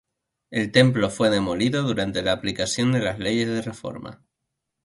El templo fue demolido durante la aplicación de las Leyes de Reforma.